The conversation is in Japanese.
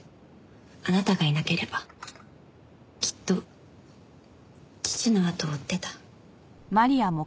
あなたがいなければきっと父のあとを追ってた。